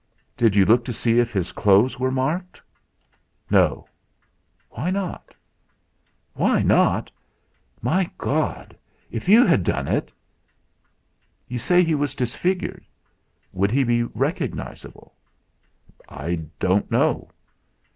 "Did you look to see if his clothes were marked?" "No." "Why not?" "Why not? My God! If you had done it!" "You say he was disfigured. Would he be recognisable?" "I don't know."